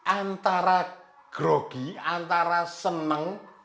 antara grogi antara seneng